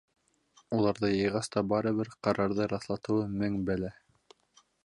Уларҙы йыйғас та барыбер ҡарарҙы раҫлатыуы мең бәлә.